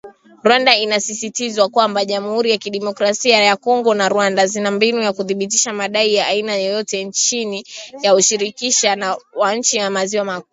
Rwanda inasisitizwa kwamba jamuhuri ya kidemokrasia ya Kongo na Rwanda zina mbinu za kuthibitisha madai ya aina yoyote chini ya ushirika wa nchi za maziwa makuu